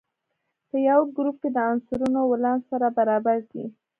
په یوه ګروپ کې د عنصرونو ولانس سره برابر دی.